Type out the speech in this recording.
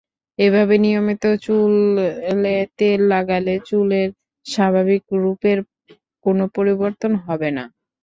এভাবে নিয়মিত চুলে তেল লাগালে চুলের স্বাভাবিক রূপের কোনো পরিবর্তন হবে না।